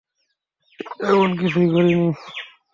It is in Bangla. এমন কিছুই করিনি।